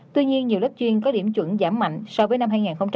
tuy nhiên nhiều lớp chuyên có điểm chuẩn giảm mạnh so với năm hai nghìn một mươi tám